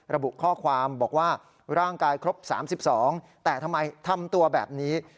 ระบุข้อความบอกว่าร่างกายครบ๓๒แต่ทำไมทำตัวแบบนี้